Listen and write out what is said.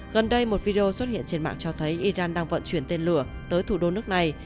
gần đây một video xuất hiện trên mạng cho thấy iran đang vận chuyển tên lửa tới thủ đô nước này